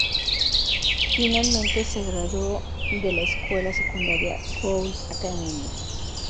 Finalmente Se graduó de la escuela secundaria Gould Academia.